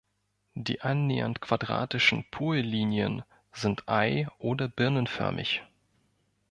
Die annähernd quadratischen Pollinien sind ei- oder birnenförmig.